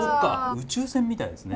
宇宙船みたいですね。